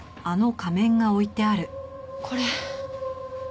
これ。